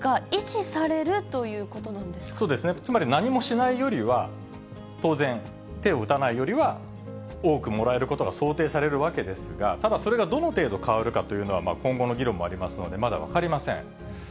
つまり何もしないよりは、当然、手を打たないよりは、多くもらえることが想定されるわけですが、ただ、それがどの程度変わるのかというのは、今後の議論もありますので、まだ分かりません。